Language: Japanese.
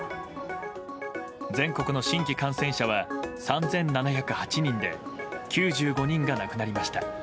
全国の新規感染者は３７０８人で９５人が亡くなりました。